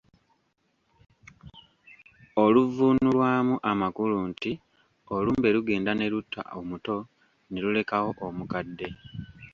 Oluvvuunulwamu amakulu nti olumbe lugenda ne lutta omuto, ne lulekawo omukadde.